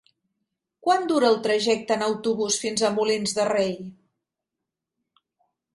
Quant dura el trajecte en autobús fins a Molins de Rei?